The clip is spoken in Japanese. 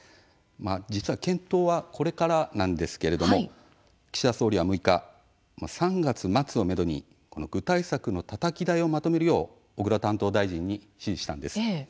実は検討はこれからなんですけれども岸田総理は６日、３月末をめどに具体策のたたき台をまとめるよう小倉担当大臣に指示したんです。